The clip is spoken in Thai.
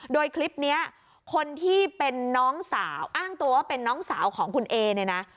โดยคลิปนี้คนที่เป็นน้องสาวอ้างตัวว่าเป็นน้องสาวของคุณเอเนี่ยนะ